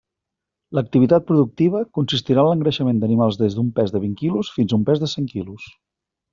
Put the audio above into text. L'activitat productiva consistirà en l'engreixament d'animals des d'un pes de vint quilos fins a un pes de cent quilos.